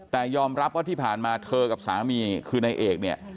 แต่ยอมรับว่าที่ผ่านมาเธอกับสามีคือนายเอกเนี่ย